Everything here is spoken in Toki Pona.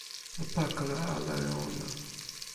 o pakala ala e ona!